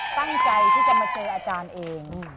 ตั้งใจที่จะมาเจออาจารย์เอง